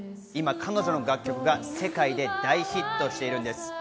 今、彼女の楽曲が世界で大ヒットしているんです。